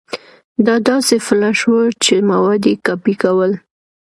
دا داسې فلش و چې مواد يې کاپي کول.